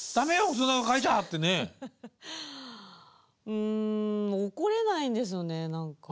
うん怒れないんですよね何か。